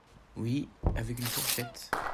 Oui… avec une fourchette.